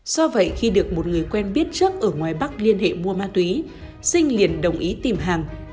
do vậy khi được một người quen biết trước ở ngoài bắc liên hệ mua ma túy sinh liền đồng ý tìm hàng